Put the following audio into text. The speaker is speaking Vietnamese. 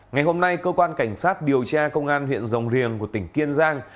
ngày hôm nay cơ quan cảnh sát điều tra công an huyện rồng riềng của tỉnh kiên giang